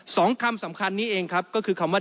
สำคัญนี้เองครับก็คือคำว่า